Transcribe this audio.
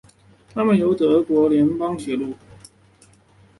它们主要由德国联邦铁路。